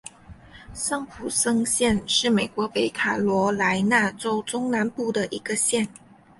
桑普森县是美国北卡罗莱纳州中南部的一个县。